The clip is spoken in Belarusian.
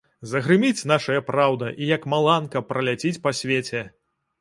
Загрыміць нашая праўда і, як маланка, праляціць па свеце!